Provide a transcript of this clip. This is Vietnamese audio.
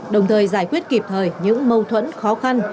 đồng thời giải quyết kịp thời những mâu thuẫn khó khăn